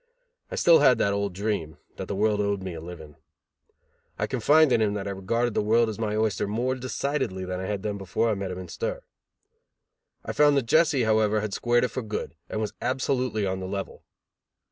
I still had that old dream, that the world owed me a living. I confided in him that I regarded the world as my oyster more decidedly than I had done before I met him in stir. I found that Jesse, however, had squared it for good and was absolutely on the level.